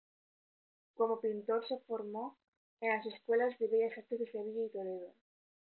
Como pintor, se formó en las escuelas de Bellas Artes de Sevilla y Toledo.